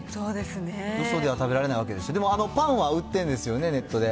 よそでは食べられないわけですし、でもあのパンは売ってるんですよね、ネットで。